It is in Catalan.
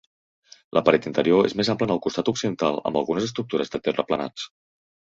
La paret interior és més ampla en el costat occidental, amb algunes estructures de terraplenats.